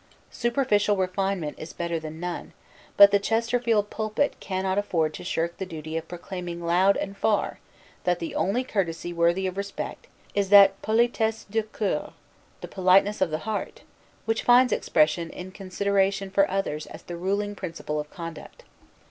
Superficial refinement is better than none, but the Chesterfield pulpit cannot afford to shirk the duty of proclaiming loud and far that the only courtesy worthy of respect is that 'politesse de coeur,' the politeness of the heart, which finds expression in consideration for others as the ruling principle of conduct.